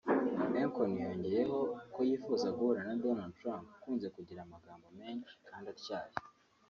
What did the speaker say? Akon yongeyeho ko yifuza guhura na Donald Trump ukunze kugira amagambo menshi kandi atyaye